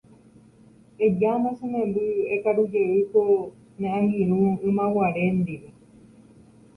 Ejána che memby ekarujey ko ne angirũ ymaguare ndive.